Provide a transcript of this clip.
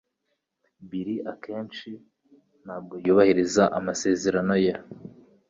Bill akenshi ntabwo yubahiriza amasezerano ye.